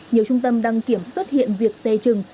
nhiều trung tâm đăng kiểm xuất hiện việc dè chừng